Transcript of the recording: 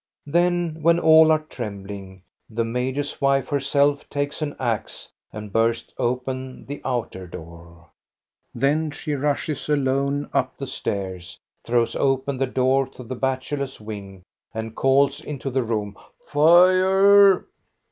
Then when all are trembling, the major's wife her self takes an axe and bursts open the outer door. Then she rushes alone up the stairs, throws open the door to the bachelors' wing, and calls into the room :" Fire